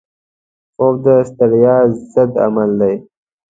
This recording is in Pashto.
خوب د ستړیا ضد عمل دی